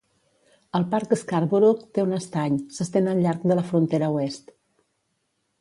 El parc Scarborough, que té un estany, s'estén al llarg de la frontera oest.